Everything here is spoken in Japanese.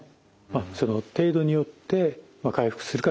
その程度によって回復するかどうか。